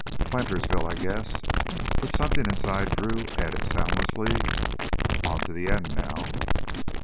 "Plantersville, I guess." But something inside Drew added soundlessly: On to the end now.